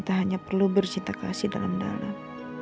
tak hanya perlu bercinta kasih dalam dalam